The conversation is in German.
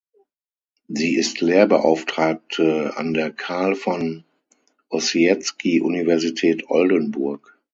Sie ist Lehrbeauftragte an der Carl von Ossietzky Universität Oldenburg.